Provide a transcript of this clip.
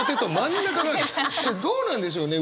どうなんでしょうね？